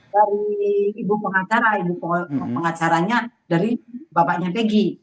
dari ibu pengacara ibu pengacaranya dari bapaknya begi